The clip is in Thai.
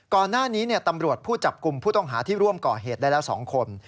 ก่อนหน้านี้ตำรวจผู้จับกลุ่มผู้ต้องหาที่ร่วมก่อเหตุได้แล้ว๒คน